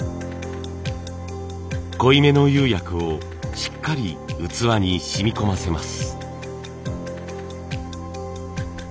濃いめの釉薬をしっかり器に染み込ませます。